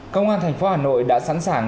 công an thành phố hà nội đã sẵn sàng